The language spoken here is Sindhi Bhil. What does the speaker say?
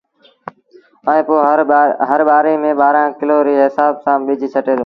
ائيٚݩ پو هر ٻآري ميݩ ٻآرآݩ ڪلو ري هسآب سآݩ ٻج ڇٽي دو